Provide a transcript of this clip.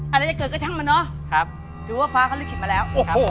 อะไรจะเกิดก็ทันมันน่ะถือว่าฟ้าเขาลืมคิดมาแล้ว